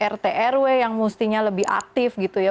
rtrw yang mestinya lebih aktif gitu ya